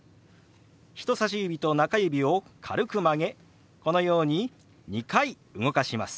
人さし指と中指を軽く曲げこのように２回動かします。